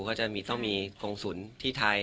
ก็จะต้องมีกรงศูนย์ที่ไทย